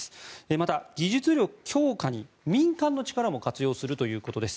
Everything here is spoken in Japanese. また、技術力強化に民間の力も活用するということです。